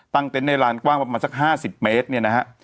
เต็นต์ในลานกว้างประมาณสัก๕๐เมตรเนี่ยนะฮะ